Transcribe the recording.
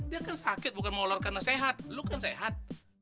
dia kan sakit bukan molor karena sehat lo kan sehat